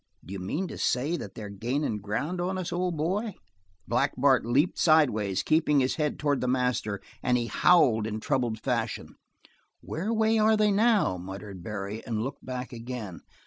"D'you mean to say that they been gainin' ground on us old boy?" Black Bart leaped sidewise, keeping his head toward the master, and he howled in troubled fashion. "Whereaway are they now?" muttered Barry, and looked back again.